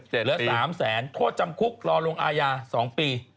เหลือ๓แสนโทษจำคุกรอลงอาญา๒ปี